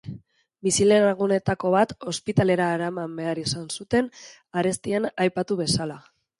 Bizilagunetako bat ospitalera eraman behar izan zuten, arestian aipatu bezala.